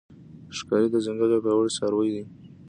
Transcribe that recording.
ښکاري د ځنګل یو پیاوړی څاروی دی.